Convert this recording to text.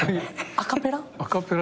アカペラで。